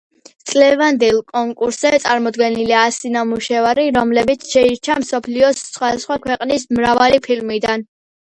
წლევანდელ კონკურსზე წამოდგენილია ასი ნამუშევარი, რომლებიც შეირჩა მსოფლიოს სხვადასხვა ქვეყნის მრავალი ფილმიდან.